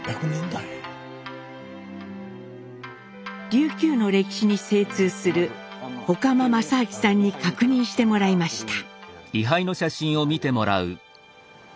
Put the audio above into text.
琉球の歴史に精通する外間政明さんに確認してもらいました。